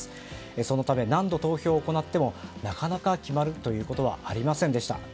そのため、何度投票を行ってもなかなか決まるということはありませんでした。